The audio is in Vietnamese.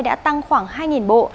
đã tăng khoảng hai bộ